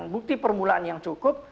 bukti permulaan yang cukup